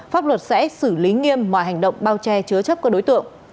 pháp luật sẽ xử lý nghiêm mọi hành động bao che chứa chấp các đối tượng